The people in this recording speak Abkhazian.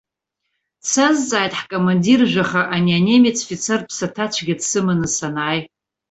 Дсазҵааит ҳкомандир, жәаха ани анемец фицар ԥсаҭацәгьа дсыманы санааи.